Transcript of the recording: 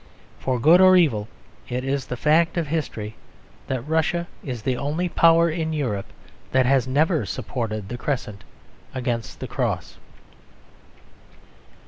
For good or evil, it is the fact of history that Russia is the only Power in Europe that has never supported the Crescent against the Cross.